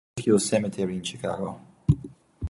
He was buried at Rosehill Cemetery in Chicago.